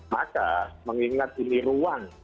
maka mengingat ini ruang